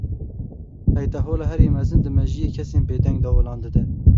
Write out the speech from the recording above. Heytehola herî mezin, di mejiyê kesên bêdeng de olan dide.